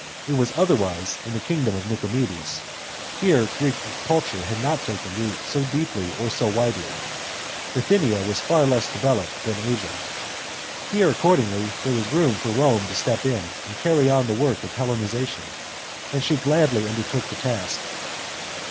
It was otherwise in the kingdom of Nicomedes. Here Greek culture had not taken root so deeply or so widely ; Bithynia was far less developed than Asia. Here accordingly there was room for Rome to *tep in and carry on the work of Hellenisation; and she gladly undertook the task.